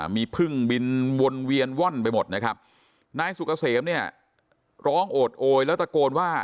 มีพึ่งบินวนเวียนว่อนไปหมดนะครับนายสุกเกษมเนี่ยร้องโอดโอยแล้วตะโกนว่า